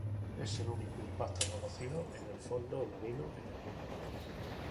Es el único impacto conocido en el fondo marino en el mundo.